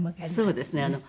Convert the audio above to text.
そうですね。